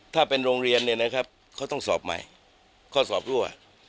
ถ้าเป็นโรงเรียนเนี่ยนะครับเขาต้องสอบใหม่ข้อสอบรั่ว